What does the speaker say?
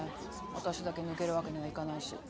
私だけ抜けるわけにはいかないし。